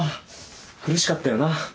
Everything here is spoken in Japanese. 苦しかったよな